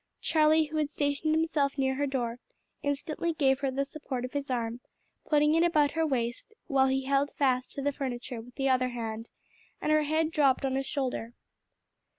Charlie, who had stationed himself near her door, instantly gave her the support of his arm, putting it about her waist, while he held fast to the furniture with the other hand, and her head dropped on his shoulder.